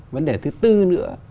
vấn đề thứ tư nữa